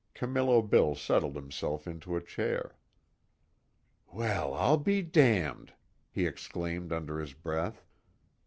Camillo Bill settled himself into a chair: "Well I'll be damned!" he exclaimed under his breath.